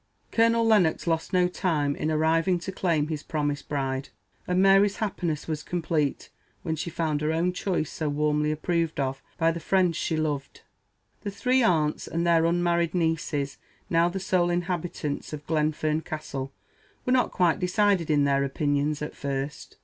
Colonel Lennox lost no time in arriving to claim his promised bride; and Mary's happiness was complete when she found her own choice so warmly approved of by the friends she loved. The three aunts and their unmarried nieces, now the sole inhabitants of Glenfern Castle, were not quite decided in their opinions at first.